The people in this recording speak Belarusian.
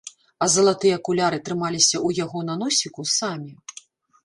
А залатыя акуляры трымаліся ў яго на носіку самі.